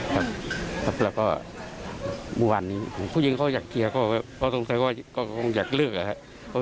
แล้วก็วันนี้ผู้หญิงเขาอยากเชียร์ก็คงอยากเลือก